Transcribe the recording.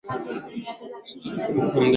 Kiswahili kinapendeza